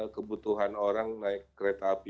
kebutuhan orang naik kereta api